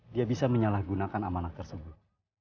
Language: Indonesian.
dia bisa menyalahgunakan amanah tersebut